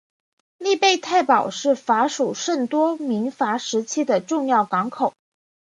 利贝泰堡是法属圣多明戈时期的重要港口。